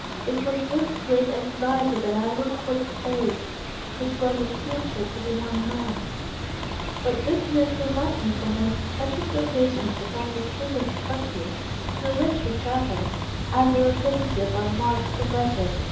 It was with great anxiety that I looked for the place, which was in future to be my home; but this did not prevent me from making such observations upon the state of the country through which we traveled, as the rapidity of our march permitted.